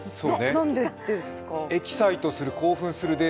何でですか？